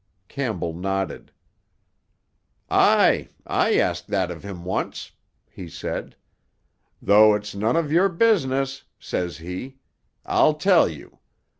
Campbell nodded. "Aye, I asked that of him once," he said. "'Though it's none of your business,' says he, 'I'll tell you.